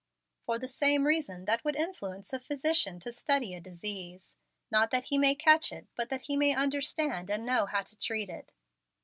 "For the same reason that would influence a physician to study a disease, not that he may catch it, but that he may understand and know how to treat it.